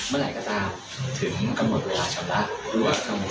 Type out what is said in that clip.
เมื่อไหร่ก็ตามถึงกำหนดเวลาชำระ